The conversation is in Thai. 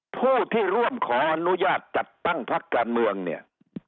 ผู้ที่ร่วมขออนุญาตจัดตั้งพักการเมืองเนี่ย